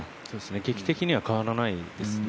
劇的には変わらないですね。